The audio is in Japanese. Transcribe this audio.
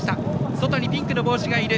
外にピンクの帽子がいる。